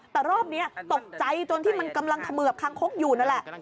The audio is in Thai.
แต่รอบนี้ตกใจจนที่มันกำลังเขมือบคางคกอยู่นั่นแหละ